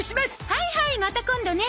はいはいまた今度ね